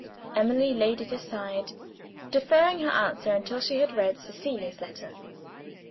Emily laid it aside, deferring her answer until she had read Cecilia's letter.